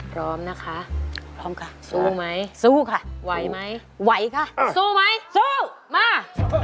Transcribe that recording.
พร้อมนะคะพร้อมค่ะสู้ไหมสู้ค่ะไหวไหมไหวค่ะสู้ไหมสู้มา